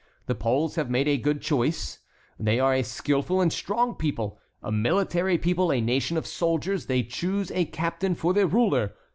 The Poles have made a good choice. They are a skilful and strong people! A military people, a nation of soldiers, they choose a captain for their ruler.